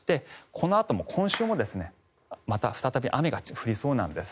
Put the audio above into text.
このあとも今週もまた再び雨が降りそうなんです。